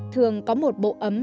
thường có một bộ ấm